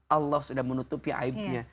allah sudah menutupi aibnya